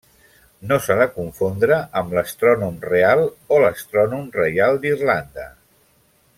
No s'ha de confondre amb l'Astrònom Real o Astrònom Reial d'Irlanda.